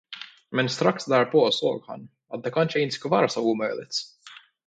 Men strax därpå såg han, att det kanske inte skulle vara så omöjligt.